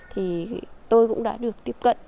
thì tôi cũng đã được tiếp cận